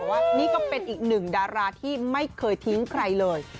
ว่านี่ก็เป็นอีกหนึ่งดาราที่ไม่เคยทิ้งใครเลย